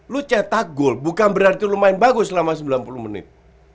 lo cetak gol bukan berarti lo main bagus selama sembilan puluh menit